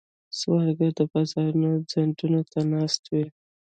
سوالګر د بازارونو څنډو ته ناست وي